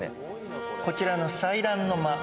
こちらの彩鸞の間。